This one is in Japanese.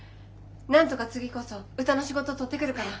なんとか次こそ歌の仕事取ってくるから。